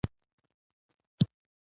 هغه له ټولو سره په سوله کې اوسیده.